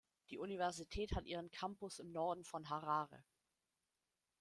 Die Universität hat ihren Campus im Norden von Harare.